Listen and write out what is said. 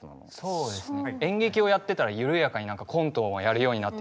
そうですね。